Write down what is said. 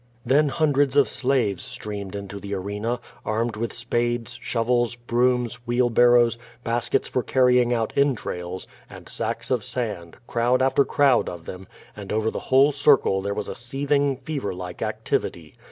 Then hundreds of slaves streamed into the arena, armed with spades, shovels, brooms, wheelbarrows, baskets for carry ing out entrails, and sacks of sand, crowd after crowd of them, and over the whole circle there was a seething, fever like activity.